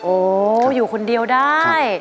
โอ้อยู่คนเดียวได้